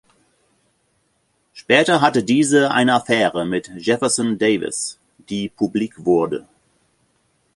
Später hatte diese eine Affäre mit Jefferson Davis, die publik wurde.